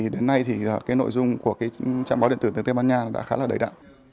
đến nay nội dung của trạm báo điện tử tiếng tây ban nha đã khá đầy đặn